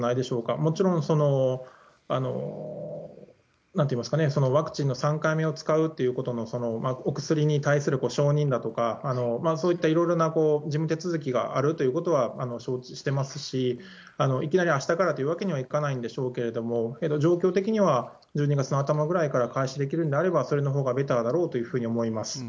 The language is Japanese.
もちろん、なんといいますかね、ワクチンの３回目を使うっていうことの、お薬に対する承認だとか、そういったいろいろな事務手続きがあるということは承知してますし、いきなりあしたからというわけにはいかないんでしょうけれども、けど、状況的には１２月の頭ぐらいには開始できるんであれば、それのほうがベターだろうというふうに思います。